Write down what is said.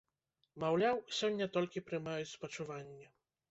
Маўляў, сёння толькі прымаюць спачуванні.